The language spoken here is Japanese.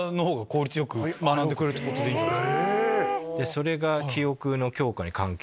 それが。